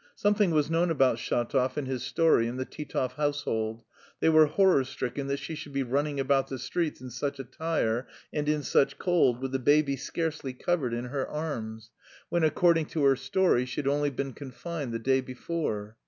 Something was known about Shatov and his story in the Titov household; they were horror stricken that she should be running about the streets in such attire and in such cold with the baby scarcely covered in her arms, when, according to her story, she had only been confined the day before.